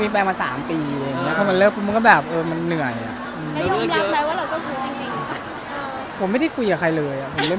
ไม่เคี่ยวเราแค่ไม่เจอใครเลยเราก็ไม่ได้อยากคุยกับใครเลย